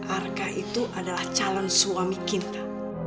arka itu adalah calon suami kita